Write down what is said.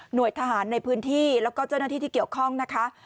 ทหารในพื้นที่แล้วก็เจ้าหน้าที่ที่เกี่ยวข้องนะคะ